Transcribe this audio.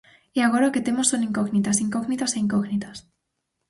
E agora o que temos son incógnitas, incógnitas e incógnitas.